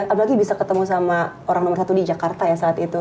apalagi bisa ketemu sama orang nomor satu di jakarta ya saat itu